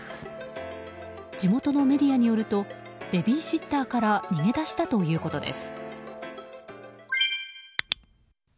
地元のメディアによるとベビーシッターから逃げ出したということです。